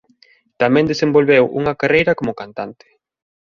Tamén desenvolveu unha carreira como cantante.